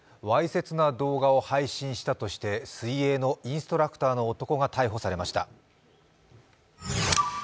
わいせつな動画を配信したとして水泳のインストラクターの男が逮捕されました。